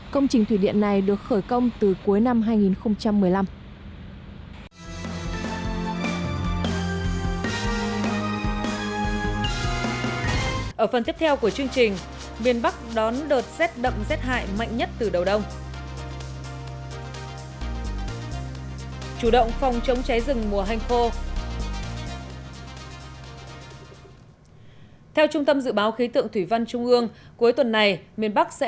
công trình thủy điện này được khởi công từ cuối năm hai nghìn một mươi năm